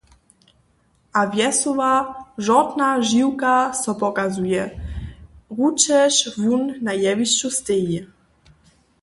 A wjesoła, žortna žiłka so pokazuje, ručež wón na jewišću steji.